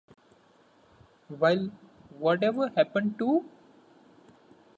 While Whatever Happened to...